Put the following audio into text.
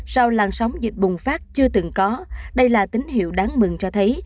sau làn sóng dịch bùng phát chưa từng có đây là tín hiệu đáng mừng cho thấy